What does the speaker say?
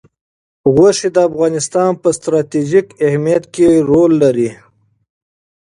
غوښې د افغانستان په ستراتیژیک اهمیت کې رول لري.